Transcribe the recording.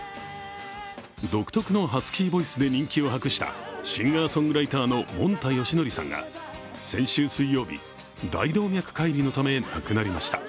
独特のハスキーボイスで人気を博したシンガーソングライターのもんたよしのりさんが先週水曜日、大動脈解離のためなくなりました。